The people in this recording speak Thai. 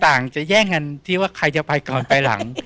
จะแย่งกันที่ว่าใครจะไปก่อนไปหลัง